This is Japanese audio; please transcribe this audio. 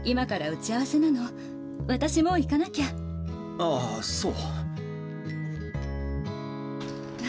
あぁそう。